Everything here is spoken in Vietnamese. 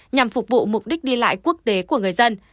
nhằm phục vụ mục đích đi lại quốc tế của người dân